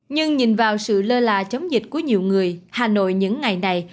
nhưng nhìn vào sự lơ là chống dịch của nhiều người hà nội những ngày này